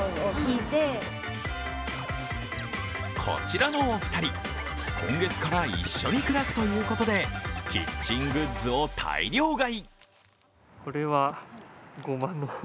こちらのお二人、今月から一緒に暮らすということでキッチングッズを大量買い。